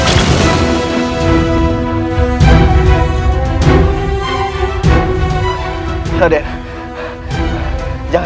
kau tidak mau melawanku